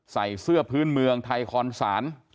ใส่เสื้อพื้นเมืองไทยคอนศาล